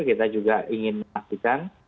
kita juga ingin mengaksikan